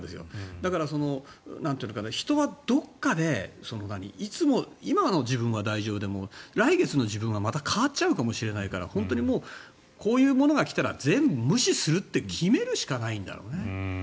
だから、人はどこかで今の自分は大丈夫でも来月の自分はまた変わっちゃうかもしれないから本当にこういうものが来たら全部無視するって決めるしかないんだろうね。